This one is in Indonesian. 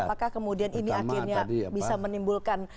makanya bisa menimbulkan